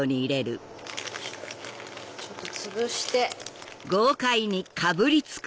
ちょっとつぶして。